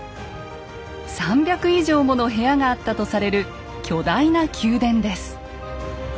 ３００以上もの部屋があったとされる巨大な宮殿です。